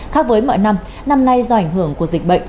khác với mọi năm năm nay do ảnh hưởng của dịch bệnh